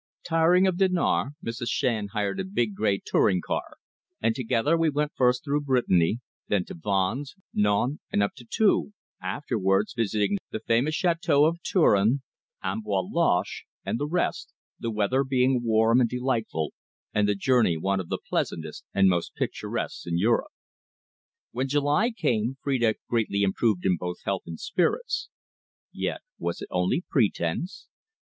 Tiring of Dinard, Mrs. Shand hired a big, grey touring car, and together we went first through Brittany, then to Vannes, Nantes, and up to Tours, afterwards visiting the famous chateaux of Touraine, Amboise Loches, and the rest, the weather being warm and delightful, and the journey one of the pleasantest and most picturesque in Europe. When July came, Phrida appeared greatly improved in both health and spirits. Yet was it only pretence?